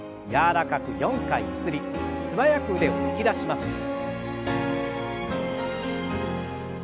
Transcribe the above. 柔らかく４回ゆすり素早く腕を突き出します。